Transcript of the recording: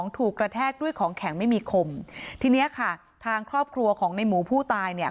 ทีนี้ค่ะทางครอบครัวของในหมูผู้ตายเนี่ย